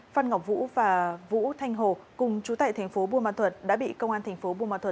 phan ngọc vũ và vũ thanh hồ cùng chú tại tp buôn ma thuật đã bị công an tp buôn ma thuật